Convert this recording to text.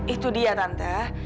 itu dia tante